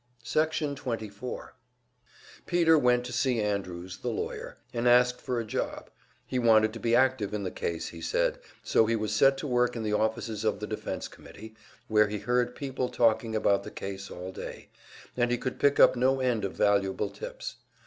Section 24 Peter went to see Andrews, the lawyer, and asked for a job; he wanted to be active in the case, he said, so he was set to work in the offices of the Defense Committee, where he heard people talking about the case all day, and he could pick up no end of valuable tips.